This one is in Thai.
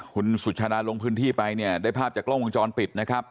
คุณสุชาดาลงพื้นที่ไปเนี่ยได้ภาพจากกล้องวงจรปิดนะครับ